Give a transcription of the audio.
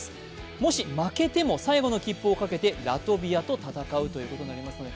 もし負けても最後の切符をかけてラトビアを戦うことになります